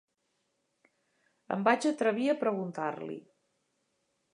Em vaig atrevir a preguntar-li.